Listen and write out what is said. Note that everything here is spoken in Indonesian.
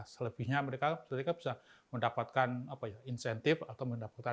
selebihnya mereka bisa mendapatkan insentif atau mendapatkan